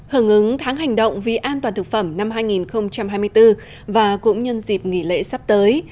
hở ngứng tháng hành động vì an toàn thực phẩm năm hai nghìn hai mươi bốn và cũng nhân dịp nghỉ lễ sắp tới